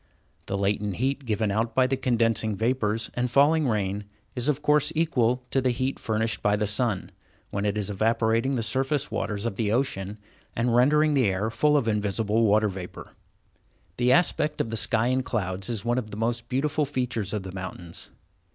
The latent heat given out by the condensing vapors and falling rain is of course equal to the heat furnished by the sun, when it was evaporating the surface waters of the ocean, and rendering the air full of invisible water vapor. The aspect of the sky and clouds is one of the most beautiful features of the mountains.